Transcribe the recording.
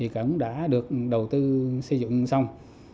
cảng đã được đầu tư xây dựng xong